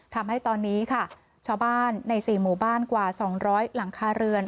ทำให้ตอนนี้ค่ะชาวบ้านใน๔หมู่บ้านกว่า๒๐๐หลังคาเรือน